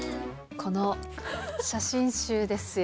この写真集ですよ。